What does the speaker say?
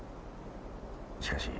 しかし。